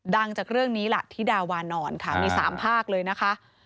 จากเรื่องนี้ล่ะที่ดาวานอนค่ะมี๓ภาคเลยนะคะ